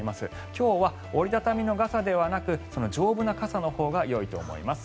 今日は折り畳み傘ではなく丈夫な傘のほうがよいと思います。